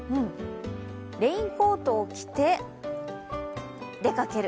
レインコートを着て出かける。